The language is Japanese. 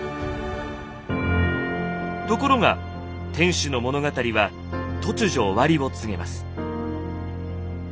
ところが天守の物語は突如終わりを告げます。